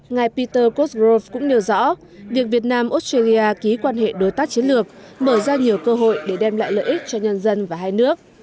ngài peter cotgrov cũng nêu rõ việc việt nam australia ký quan hệ đối tác chiến lược mở ra nhiều cơ hội để đem lại lợi ích cho nhân dân và hai nước